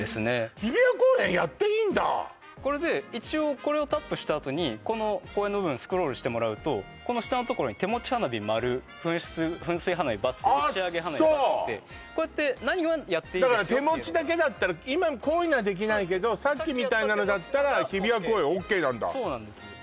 これがこれで一応これをタップしたあとにこの公園の部分スクロールしてもらうとこの下のところに「手持ち花火○」「噴水花火×」あっそう「打上花火×」ってこうやって何はやっていいだから手持ちだけだったら今こういうのはできないけどさっきみたいなのだったらそうなんです